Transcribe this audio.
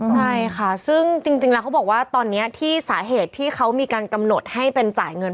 ใช่ค่ะซึ่งจริงแล้วเขาบอกว่าตอนนี้ที่สาเหตุที่เขามีการกำหนดให้เป็นจ่ายเงิน